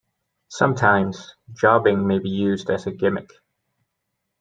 Sometimes, jobbing may be used as a gimmick.